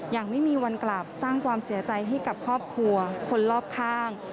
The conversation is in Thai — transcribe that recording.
ยังไม่มีวันกลับสร้างความเสียใจให้กับครอบครัวคนรอบข้าง